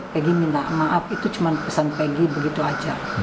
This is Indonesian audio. pegi minta maaf itu cuma pesan pegi begitu saja